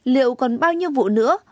liệu còn bao nhiêu vụ nữa